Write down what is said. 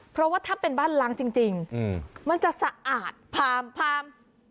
เพราะว่าถ้าเป็นบ้านล้างจริงมันจะสะอาดพามพาม